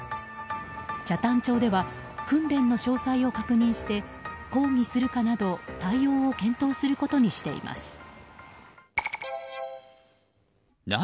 北谷町では訓練の詳細を確認して抗議するかなど対応を検討することにしています。